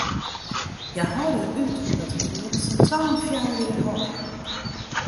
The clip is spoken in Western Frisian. Hja hâlde út dat de kleuren sa'n twa oant fjouwer jier hâlde.